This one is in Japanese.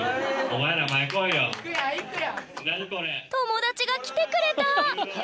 友達が来てくれた！